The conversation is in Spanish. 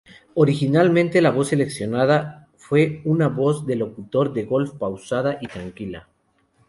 Originalmente, la voz seleccionada fue una voz de locutor de golf pausada y tranquila.